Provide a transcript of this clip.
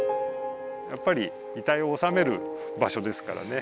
やっぱり遺体をおさめるばしょですからね。